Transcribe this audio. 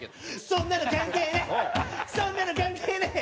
そんなの関係ねえ！